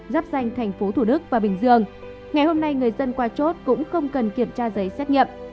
dắp danh tp thủ đức và bình dương ngày hôm nay người dân qua chốt cũng không cần kiểm tra giấy xét nghiệm